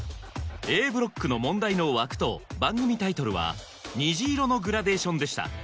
Ａブロックの問題の枠と番組タイトルは虹色のグラデーションでした